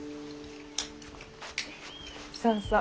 そうそう。